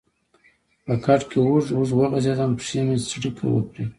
په کټ کې اوږد اوږد وغځېدم، پښې مې څړیکه وکړې.